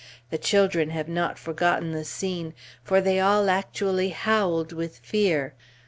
The children have not forgotten the scene, for they all actually howled with fear.